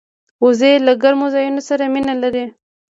وزې له ګرمو ځایونو سره مینه لري